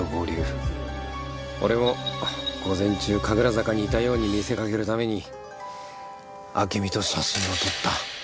俺も午前中神楽坂にいたように見せかけるために暁美と写真を撮った。